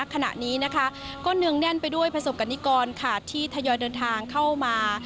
ก็เนิ่งแน่นไปด้วยผสมกันนิกรที่ทยเดินทางเข้ามา